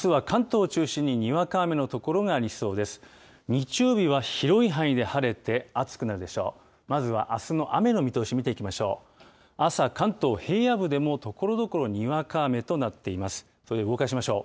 日曜日は広い範囲で晴れて、暑くなるでしょう。